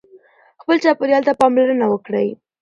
خپل چاپېریال ته پاملرنه وکړئ.